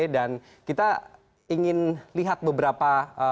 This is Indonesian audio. dan kita ingin lihat beberapa